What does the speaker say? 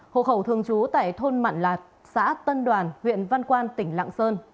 hộ khẩu thường trú tại thôn mạn lạc xã tân đoàn huyện văn quan tỉnh lạng sơn